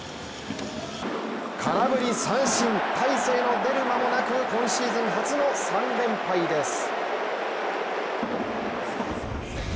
空振り三振、大勢の出るまもなく今シーズン初の３連敗です。